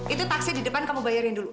itu taksi di depan kamu bayarin dulu